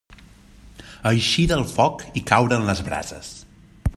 Eixir del foc i caure en les brases.